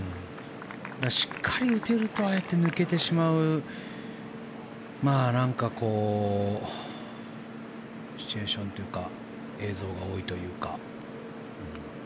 しっかり打てるとああやって抜けてしまうシチュエーションというか映像が多いというか。